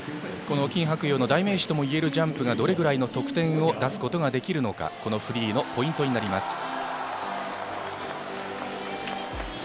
この金博洋の代名詞といえるジャンプがどれぐらいの得点を出すことができるかがこのフリーのポイントになります。